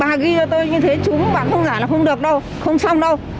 bây giờ tôi như thế trúng bà không trả là không được đâu không xong đâu